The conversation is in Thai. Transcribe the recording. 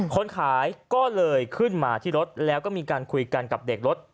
คนขายก็เลยขึ้นมาที่รถแล้วก็มีการคุยกันกับเด็กรถ